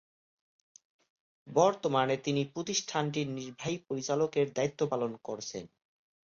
বর্তমানে তিনি প্রতিষ্ঠানটির নির্বাহী পরিচালকের দায়িত্ব পালন করছেন।